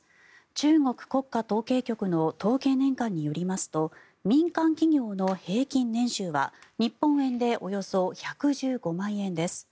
中国国家統計局の統計年鑑によりますと民間企業の平均年収は日本円でおよそ１１５万円です。